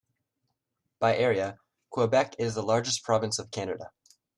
By area, Quebec is the largest province of Canada.